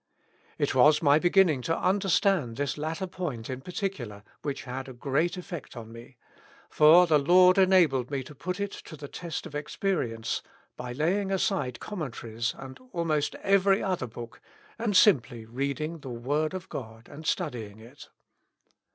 " It was my beginning to understand this latter point in par ticular, which had a great eflfect on me ; for the Lord enabled me to put it to the test of experience, by laying aside commen taries, and almost every other book, and simply reading the word of God and studying it.